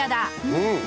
うん！